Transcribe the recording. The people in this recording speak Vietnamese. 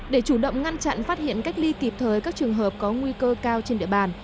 để chủ động ngăn chặn phát hiện cách ly kịp thời các trường hợp có nguy cơ cao trên địa bàn